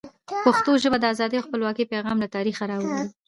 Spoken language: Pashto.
پښتو ژبه د ازادۍ او خپلواکۍ پیغام له تاریخه را وړي.